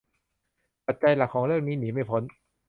ปัจจัยหลักของเรื่องนี้หนีไม่พ้น